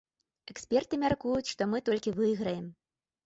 Эксперты мяркуюць, што мы толькі выйграем.